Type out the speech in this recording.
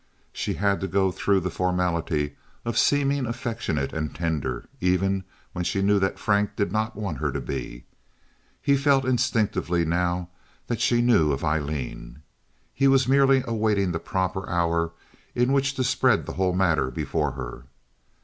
She had to go through the formality of seeming affectionate and tender, even when she knew that Frank did not want her to be. He felt instinctively now that she knew of Aileen. He was merely awaiting the proper hour in which to spread the whole matter before her.